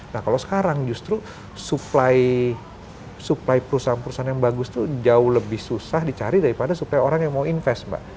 nah kalau sekarang justru supply perusahaan perusahaan yang bagus itu jauh lebih susah dicari daripada supply orang yang mau invest mbak